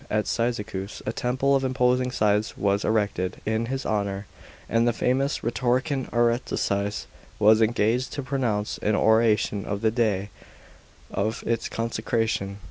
At Cyzicus a temple of imposing size was erected in his honour, and the famous rhetorician Aristides was engaged to pronounce an oration on the day of its consecration.